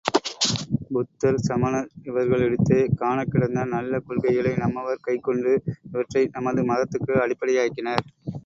புத்தர், சமணர் இவர்களிடத்தே காணக் கிடந்த நல்ல கொள்கைகளை நம்மவர் கைக்கொண்டு, இவற்றை நமது மதத்துக்கு அடிப்படையாக்கினர்.